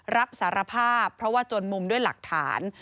รับสารภาพเพราะว่าจนมุมด้วยหลักฐาน